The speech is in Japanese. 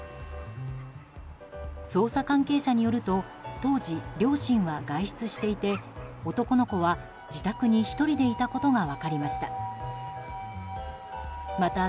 捜査関係者によると当時、両親は外出していて男の子は、自宅に１人でいたことが分かりました。